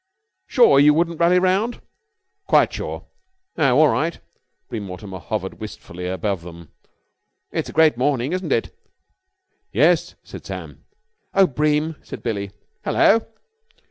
Sure you won't rally round?" "Quite sure." "Oh, all right." Bream Mortimer hovered wistfully above them. "It's a great morning, isn't it?" "Yes," said Sam. "Oh, Bream!" said Billie. "Hello?"